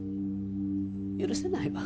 許せないわ。